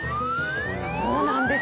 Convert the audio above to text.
そうなんです。